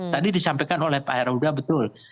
tadi disampaikan oleh pak khairul huda betul